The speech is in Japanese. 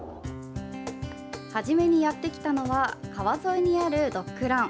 初めにやってきたのは川沿いにあるドッグラン。